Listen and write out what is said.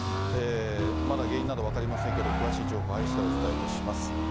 まだ原因など分かりませんが、詳しい情報入りしだい、お伝えいたします。